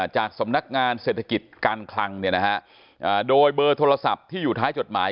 จากสำนักงานเศรษฐกิจการคลังโดยเบอร์โทรศัพท์ที่อยู่ท้ายจดหมาย